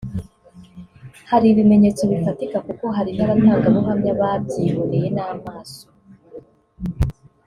Hari ibimenyetso bifatika kuko hari n’abatangabuhamya babyiboneye n’amaso